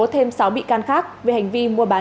thêm sáu bị can khác về hành vi mua bán